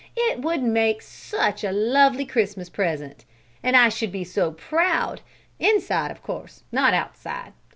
It would make such a lovely Christmas present! And I should be so proud; inside of course, not outside!